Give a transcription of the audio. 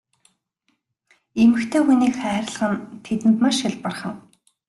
Эмэгтэй хүнийг хайрлах нь тэдэнд маш хялбархан.